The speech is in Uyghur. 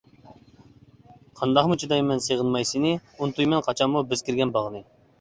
قانداقمۇ چىدايمەن سېغىنماي سېنى، ئۇنتۇيمەن قاچانمۇ بىز كىرگەن باغنى.